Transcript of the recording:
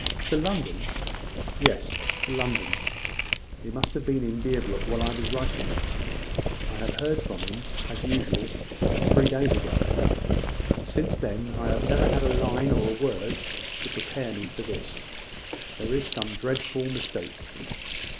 "To London?" "Yes, to London. He must have been in Deerbrook while I was writing it. I heard from him, as usual, three days ago; and since then, I have never had a line or a word to prepare me for this. There is some dreadful mistake."